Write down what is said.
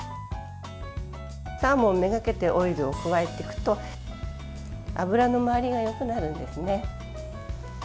サーモンめがけてオイルを加えていくと油の回りがよくなるんですね。